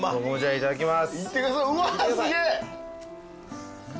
いただきます。